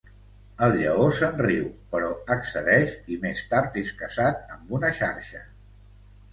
El lleó se'n riu però accedeix i més tard és caçat amb una xarxa.